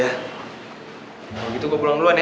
kalo gitu gue pulang duluan ya